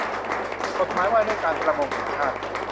กฎหมายว่าด้วยการประมงแห่งชาติ